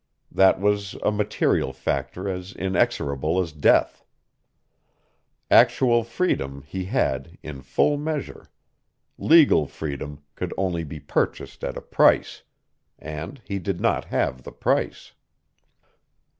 That was a material factor as inexorable as death. Actual freedom he had in full measure. Legal freedom could only be purchased at a price, and he did not have the price.